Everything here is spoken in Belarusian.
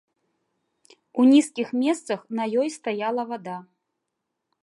У нізкіх месцах на ёй стаяла вада.